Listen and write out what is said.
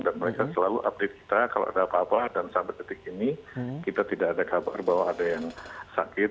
dan mereka selalu update kita kalau ada apa apa dan sampai detik ini kita tidak ada kabar bahwa ada yang sakit